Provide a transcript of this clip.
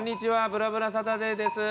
『ぶらぶらサタデー』です。